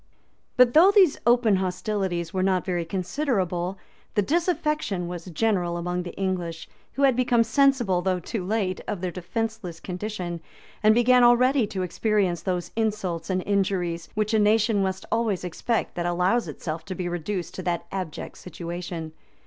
] But though these open hostilities were not very considerable, the disaffection was general among the English, who had become sensible, though too late, of their defenceless condition, and began already to experience those insults and injuries, which a nation must always expect that allows itself to be reduced to that abject situation.